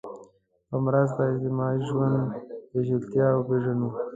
په مرسته اجتماعي ژوند پېچلتیا وپېژنو